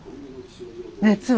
熱は？